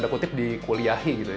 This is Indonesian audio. kami tapi suka usap usap